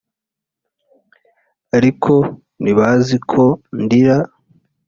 ariko ntibazi ko ndira